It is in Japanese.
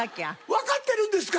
わかってるんですか？